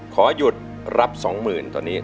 ขอหยุดรับสองหมื่นตอนนี้